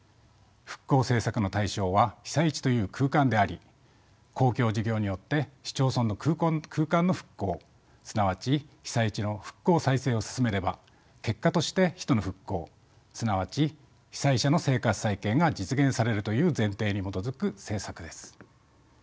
復興政策の対象は被災地という空間であり公共事業によって市町村の空間の復興すなわち被災地の復興・再生を進めれば結果として人の復興すなわち被災者の生活再建が実現されるという前提に基づく政策です。